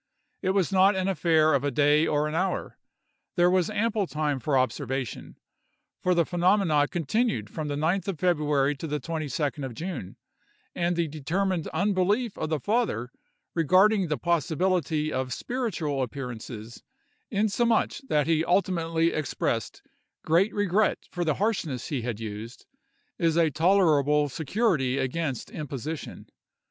It was not an affair of a day or an hour—there was ample time for observation—for the phenomena continued from the 9th of February to the 22d of June; and the determined unbelief of the father regarding the possibility of spiritual appearances, insomuch that he ultimately expressed great regret for the harshness he had used, is a tolerable security against imposition.